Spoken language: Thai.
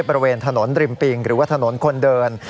บริเวณถนนริมปิงหรือว่าถนนคนเดิน